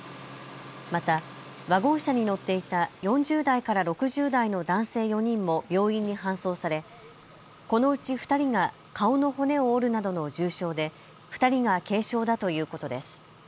またワゴン車に乗っていた４０代から６０代の男性４人も病院に搬送されこのうち２人が顔の骨を折るなどの重傷で２人が軽傷だということです。